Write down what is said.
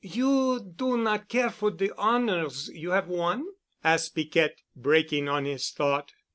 "You do not care for de honors you have won?" asked Piquette, breaking on his thought.